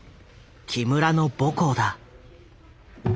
木村の母校だ。